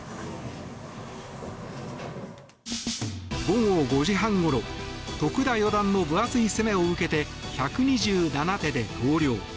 午前５時半ごろ徳田四段の分厚い攻めを受けて１２７手で投了。